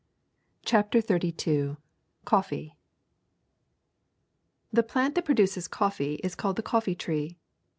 CHAPTER XXXII COFFEE ti T HE plant that produces coffee is called the coffee tree.